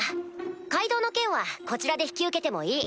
街道の件はこちらで引き受けてもいい。